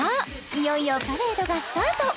いよいよパレードがスタート！